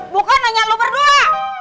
bukan nanya lo berdua